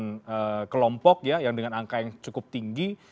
dengan kelompok ya yang dengan angka yang cukup tinggi